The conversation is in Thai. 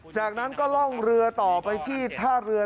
จากนั้นก็ล่องเรือต่อไปที่ท่าเรือ